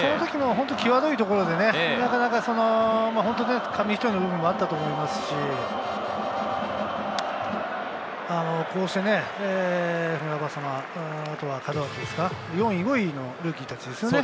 本当に際どいところで紙一重の部分もあったと思いますし、こうして船迫、あと門脇ですか、４位、５位のルーキーたちですね。